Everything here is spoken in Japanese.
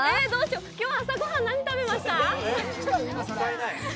今日朝ごはん何食べました？